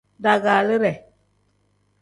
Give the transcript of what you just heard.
Daagaliide.